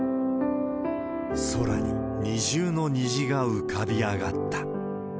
空に二重の虹が浮かび上がった。